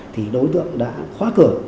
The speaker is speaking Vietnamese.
thì đối tượng đã khóa cửa